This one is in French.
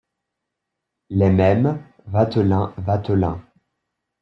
Les Mêmes, Vatelin Vatelin .